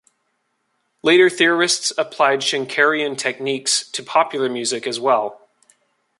Later theorists applied Schenkerian techniques to popular music as well.